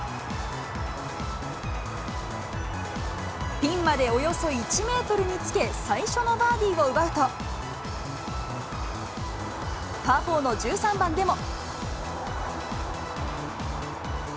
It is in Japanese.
ピンまでおよそ１メートルにつけ、最初のバーディーを奪うと、パー４の１３番でも。